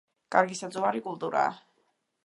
კარგი საძოვარი კულტურაა.